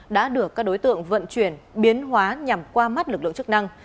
đã được các đối tượng vận chuyển biến hóa nhằm qua mắt lực lượng chức năng